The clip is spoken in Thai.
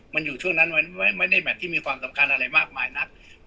มันอยู่ช่วงนั้นมันไม่ได้แมทที่มีความสำคัญอะไรมากมายนัก